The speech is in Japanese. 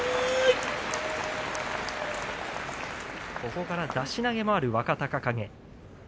ここから出し投げもある若隆景。